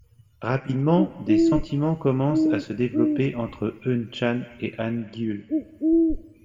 Rapidement, des sentiments commencent à se développer entre Eun-chan et Han-gyul.